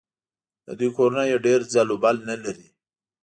د دوی کورونه ډېر ځل و بل نه لري.